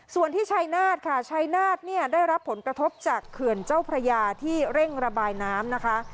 ส่วนที่ชายนาฏค่ะชายนาฏเนี่ยได้รับผลกระทบจากเขื่อนเจ้าพระยาที่เร่งระบายน้ำนะคะ